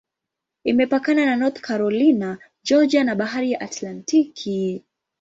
Imepakana na North Carolina, Georgia na Bahari ya Atlantiki.